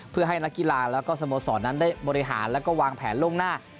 เพื่อให้นักกีฬาแล้วก็สโมสรนั้นได้บริหารแล้วก็วางแผนล่วงหน้า